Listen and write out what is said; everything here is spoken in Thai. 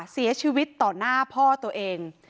เสียชีวิตต่อหน้าพ่อตัวเอง